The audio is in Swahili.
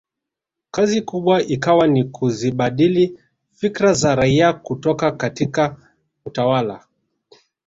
Kazi kubwa ikawa ni kuzibadili fikra za raia kutoka katika utawala